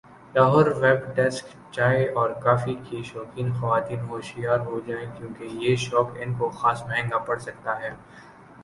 Lahore web desk چائے اور coffee کی شوقین خواتین ہوشیار ہوجائیں کیونکہ یہ شوق ان کو خاص مہنگا پڑ سکتا ہے